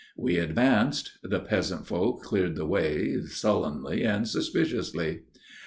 We advanced; the peasant folk cleared the way sullenly and suspiciously.